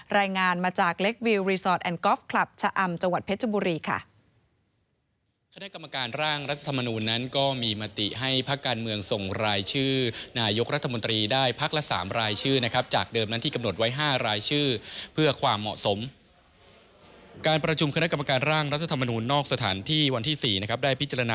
รายงานมาจากเล็กวิวรีสอร์ทแอนดอล์ฟคลับชะอำจังหวัดเพชรบุรีค่ะ